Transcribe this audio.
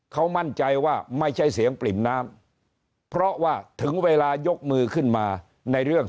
เขามั่นใจว่าไม่ใช่เสียงปริ่มน้ำเพราะว่าถึงเวลายกมือขึ้นมาในเรื่อง